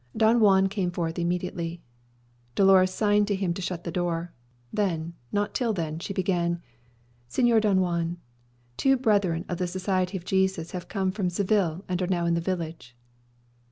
Don Juan came forth immediately. Dolores signed to him to shut the door. Then, not till then, she began, "Señor Don Juan, two brethren of the Society of Jesus have come from Seville, and are now in the village."